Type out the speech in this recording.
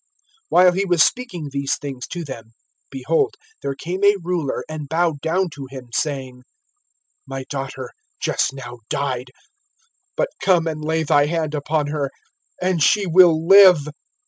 (18)While he was speaking these things to them, behold, there came a ruler, and bowed down to him, saying: My daughter just now died; but come and lay thy hand upon her, and she will live.